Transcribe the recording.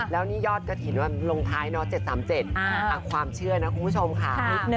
แล้วนี่ยอดกระถิ่นลงท้ายเนาะ๗๓๗ความเชื่อนะคุณผู้ชมค่ะ